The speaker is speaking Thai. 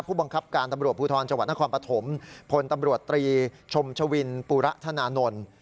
ผู้บังคับการตำรวจพูทรจนครปฐมพตชมชวินปุรธนานน